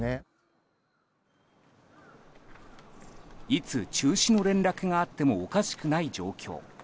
いつ中止の連絡があってもおかしくない状況。